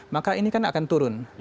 maka ini kan akan turun